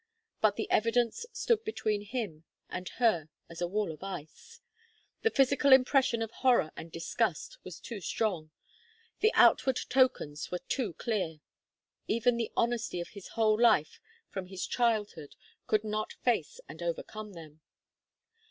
But the evidence stood between him and her as a wall of ice. The physical impression of horror and disgust was too strong. The outward tokens were too clear. Even the honesty of his whole life from his childhood could not face and overcome them.